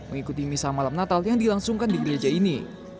mengikuti misa malam natal yang dilangsungkan di gereja ini